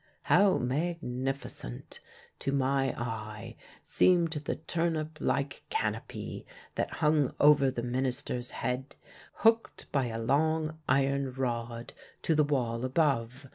How magnificent, to my eye, seemed the turnip like canopy that hung over the minister's head, hooked by a long iron rod to the wall above!